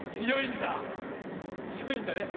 強いんだね。